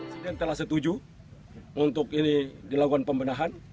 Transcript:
presiden telah setuju untuk ini dilakukan pembenahan